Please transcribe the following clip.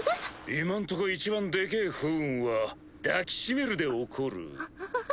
今んとこいちばんでけぇ不運は抱き締めるで起こるか。